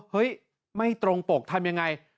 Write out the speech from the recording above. เฮ้ยไม่ตรงปกทำยังไง